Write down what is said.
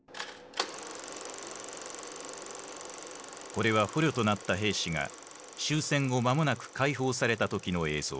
これは捕虜となった兵士が終戦後間もなく解放された時の映像。